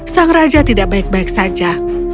sang raja tidak baik baik saja